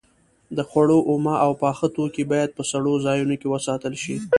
د خوړو اومه او پاخه توکي باید په سړو ځایونو کې وساتل شي.